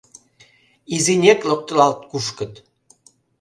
Изинек локтылалт кушкыт.